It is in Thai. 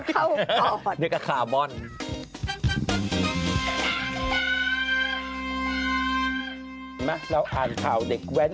เห็นมั้ยเราอ่านข่าวเด็กแว้น